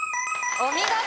お見事。